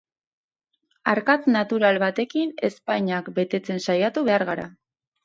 Arkatz natural batekin ezpainak betetzen saiatu behar gara.